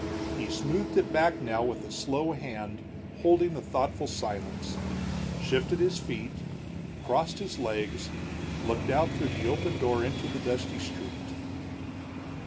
He smoothed it back now with slow hand, holding a thoughtful silence; shifted his feet, crossed his legs, looked out through the open door into the dusty street.